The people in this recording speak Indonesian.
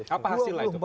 apa hasilnya itu